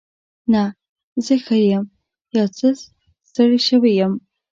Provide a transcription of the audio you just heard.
نه، زه ښه یم. خو یو څه ستړې شوې یم.